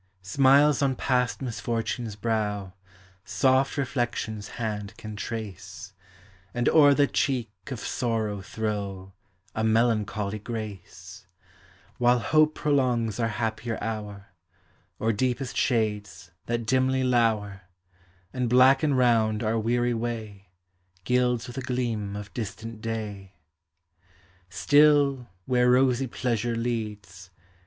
Smiles on past misfortune's brow Soft reflection's hand can trace, And o'er the cheek of sorrow throw A melancholy grace; While hope prolongs our happier hour, Or deepest shades, that dimly lour And blacken round our weary way. Gilds with a gleam of distant day. Still, where rosy pleasure leads.